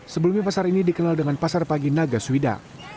sebelumnya pasar ini dikenal dengan pasar pagi naga suwida